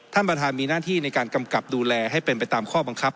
ท่านประธานมีหน้าที่ในการกำกับดูแลให้เป็นไปตามข้อบังคับ